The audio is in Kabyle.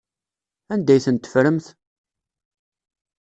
Anda ay ten-teffremt?